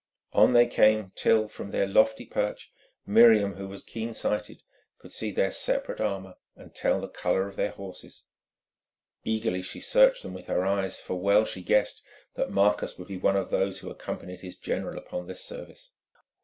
On they came till, from their lofty perch, Miriam, who was keen sighted, could see their separate armour and tell the colour of their horses. Eagerly she searched them with her eyes, for well she guessed that Marcus would be one of those who accompanied his general upon this service.